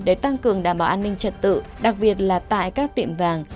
để tăng cường đảm bảo an ninh trật tự đặc biệt là tại các tiệm vàng